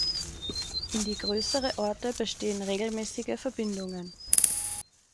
In die größere Orte bestehen regelmäßige Verbindungen.